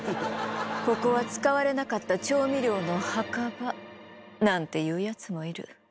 ここは使われなかった調味料の墓場なんて言うやつもいる。